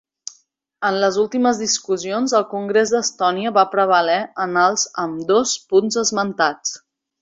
En les últimes discussions, el Congrés d'Estònia va prevaler en els ambdós punts esmentats.